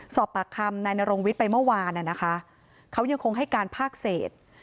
สอบปากคำนายนรงวิทย์ไปเมื่อวานนะคะเขายังคงให้การภาคเศษ